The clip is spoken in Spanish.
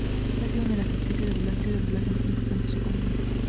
Ha sido una de las actrices de doblaje más importantes y reconocidas en España.